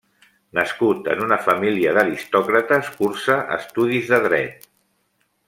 Nascut en una família d'aristòcrates cursa estudis de Dret.